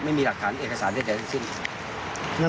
ไม่มีหลักฐานเอกสารใดทั้งสิ้น